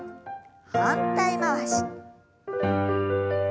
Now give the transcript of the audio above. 反対回し。